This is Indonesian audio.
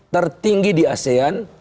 tertinggi di asean